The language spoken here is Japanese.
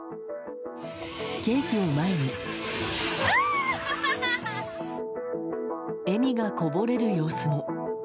ケーキを前に笑みがこぼれる様子も。